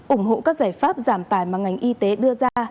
ổng hộ các giải pháp giảm tải mà ngành y tế đưa ra